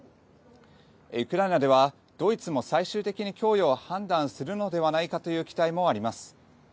ウクライナではドイツも最終的に供与を判断するのではないかという期待もあります。